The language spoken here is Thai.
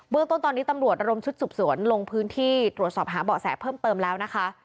เมืองต้นตอนนี้ตำรวจระดมชุดสืบสวนลงพื้นที่ตรวจสอบหาเบาะแสเพิ่มเติมแล้วนะคะ